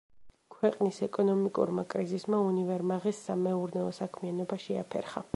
ქვეყნის ეკონომიკურმა კრიზისმა უნივერმაღის სამეურნეო საქმიანობა შეაფერხა.